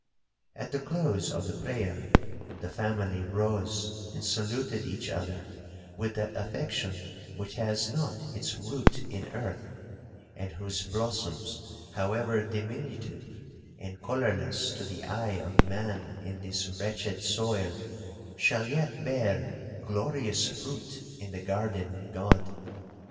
At the close of the prayer, the family rose and saluted each other with that affection which has not its root in earth, and whose blossoms, however diminutive and colourless to the eye of man in this wretched soil, shall yet bear glorious fruit in the garden of God.